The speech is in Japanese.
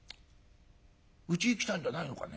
うちへ来たんじゃないのかね？